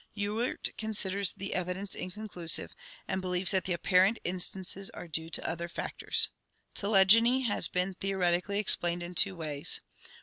Ewart considers the evidence inconclusive, and believes that the apparent instances are due to other factors. Telegony has been theoretically explained in two ways.